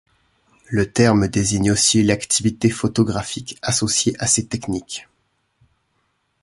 Le terme désigne aussi l'activité photographique associée à ces techniques.